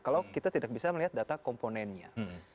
kalau kita tidak bisa melihat data komponennya